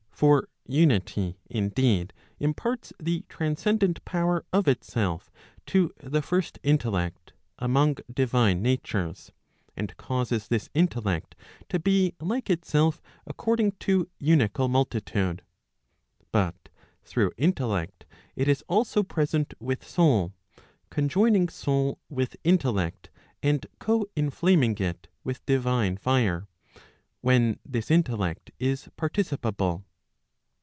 For unity indeed imparts the transcendent power of itself to the first intellect, among divine natures, and causes this intellect to be like itself according to unical multitude. But through intellect it is also present with soul, conjoining soul with intellect and co inflaming it £with divine fire], when this intellect is participable.